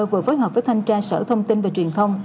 vừa phối hợp với thanh tra sở thông tin và truyền thông